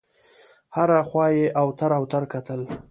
هره خوا یې اوتر اوتر کتل.